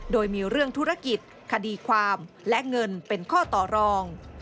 โดยมีเรื่องธุรกิจคดีความและเงินเป็นข้อต่อรอง